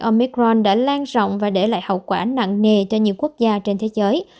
omicron đã lan rộng và để lại hậu quả nặng nề cho nhiều quốc gia trên thế giới